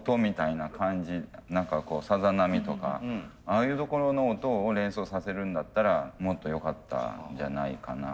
何かさざ波とかああいうところの音を連想させるんだったらもっとよかったんじゃないかな。